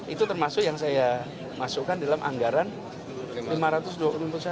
itu termasuk yang saya masukkan dalam anggaran rp lima ratus dua puluh satu